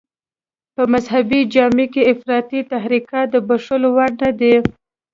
په مدني جامه کې افراطي تحرکات د بښلو وړ نه دي.